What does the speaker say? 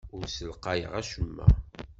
Ur ssalqayeɣ acemma.